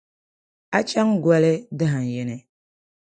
A chaŋ goli dahin yini.